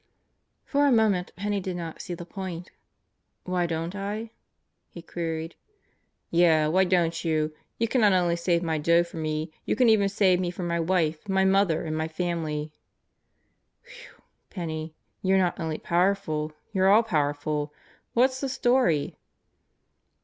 For a moment Penney did not see the point. "Why don't I?" he queried. "Yeah, why don't you? You cannot only save my dough for me you can even save me for my wife, my mother, and my family." "Whew! Penney, you're not only powerful; you're all powerful! What's the story?"